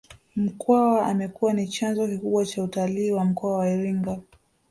Mkwawa amekuwa ni chanzo kikubwa cha utalii wa mkoa wa Iringa